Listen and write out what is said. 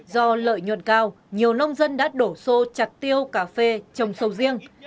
do lợi nhuận cao nhiều nông dân đã đổ xô chặt tiêu cà phê trồng sầu riêng